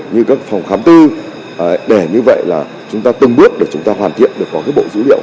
như các phòng khám tư để như vậy là chúng ta từng bước để chúng ta hoàn thiện được có cái bộ dữ liệu